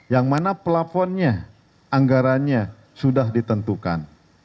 yang mana pelafonnya anggarannya sudah ditentukan